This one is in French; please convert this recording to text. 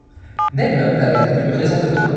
Ned Land avait donc eu raison de craindre.